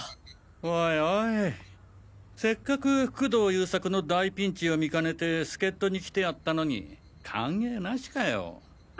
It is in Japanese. おいおいせっかく工藤優作の大ピンチを見かねて助っ人に来てやったのに歓迎なしかよ？